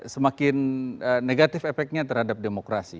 semakin negatif efeknya terhadap demokrasi